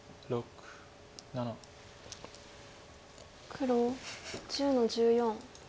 黒１０の十四。